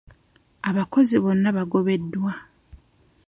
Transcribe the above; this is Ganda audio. Abakozi bonna baagobeddwa.